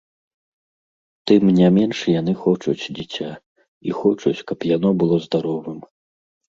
Тым не менш яны хочуць дзіця, і хочуць, каб яно было здаровым.